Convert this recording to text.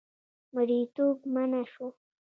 مریتوب منع شو.